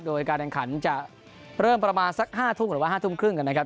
โดยการแข่งขันจะเริ่มประมาณสัก๕ทุ่มหรือว่า๕ทุ่มครึ่งนะครับ